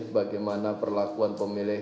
bagaimana perlakuan pemilih